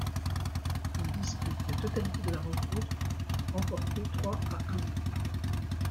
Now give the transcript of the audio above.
Il dispute la totalité de la rencontre remportée trois à un.